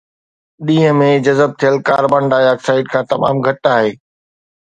ڏينهن ۾ جذب ٿيل ڪاربان ڊاءِ آڪسائيڊ کان تمام گهٽ آهي